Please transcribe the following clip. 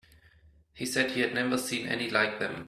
He said he had never seen any like them.